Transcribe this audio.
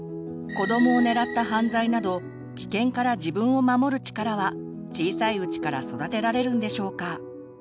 子どもを狙った犯罪など危険から自分を守る力は小さいうちから育てられるんでしょうか？